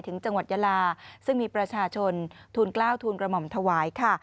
จังหวัดยาลาซึ่งมีประชาชนทูลกล้าวทูลกระหม่อมถวายค่ะ